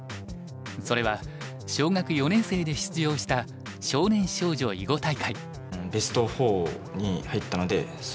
それは小学４年生で出場した少年少女囲碁大会。